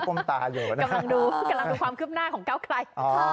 กำลังดูความเคลือบหน้าของเก้าไคล่